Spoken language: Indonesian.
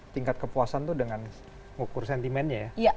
tingkat kepuasan itu dengan mengukur sentimennya ya